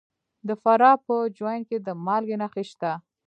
د فراه په جوین کې د مالګې نښې شته.